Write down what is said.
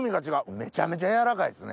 めちゃめちゃやわらかいですね。